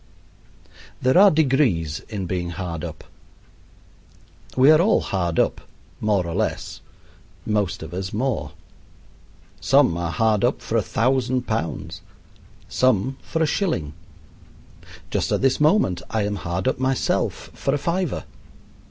There are degrees in being hard up. We are all hard up, more or less most of us more. Some are hard up for a thousand pounds; some for a shilling. Just at this moment I am hard up myself for a fiver.